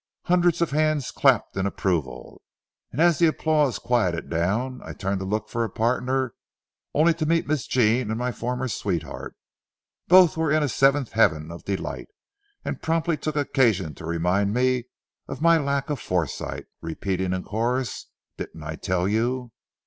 Hundreds of hands clapped in approval, and as the applause quieted down, I turned to look for a partner, only to meet Miss Jean and my former sweetheart. Both were in a seventh heaven of delight, and promptly took occasion to remind me of my lack of foresight, repeating in chorus, "Didn't I tell you?"